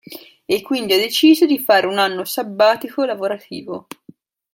E quindi ho deciso di fare un anno sabbatico-lavorativo.